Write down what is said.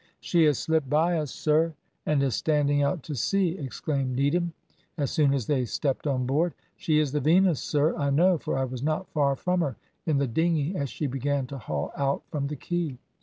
"She has slipped by us, sir, and is standing out to sea," exclaimed Needham, as soon as they stepped on board. "She is the Venus, sir, I know, for I was not far from her in the dinghy as she began to haul out from the quay.